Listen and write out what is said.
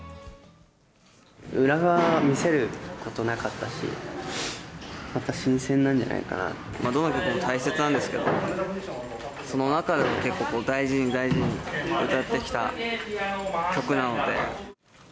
裏側を見せることなかったし、どの曲も大切なんですけど、その中でも結構大事に大事に歌ってきた曲なので。